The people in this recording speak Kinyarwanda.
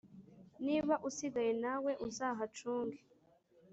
niba usigaye nawe uzahacunge